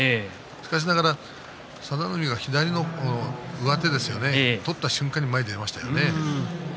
しかしながら佐田の海が左の上手を取った瞬間に前に出ましたよね。